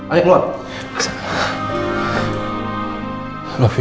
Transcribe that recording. ayo keluar sebentar pak